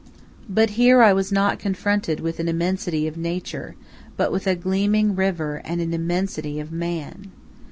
But here I was not confronted with an immensity of nature, but with a gleaming river and an immensity of man.